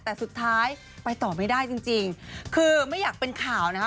แต่สุดท้ายไปต่อไม่ได้จริงจริงคือไม่อยากเป็นข่าวนะคะ